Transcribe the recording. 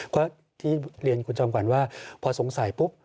ก็ที่เรียนคุณจอมขวัญว่าพอสงสัยปุ๊บ